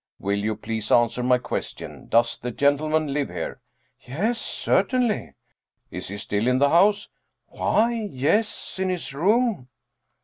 " Will you please answer my question ? Does the gentle man live here ?"" Yes, certainly." " Is he still in the house? "" Why, yes, in his room."